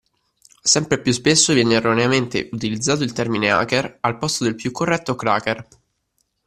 Sempre più spesso viene erroneamente utilizzato il termine hacker al posto del più corretto cracker.